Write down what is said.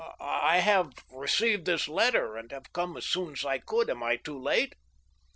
" I have received this letter, and have come as soon as I could. Am I top late ?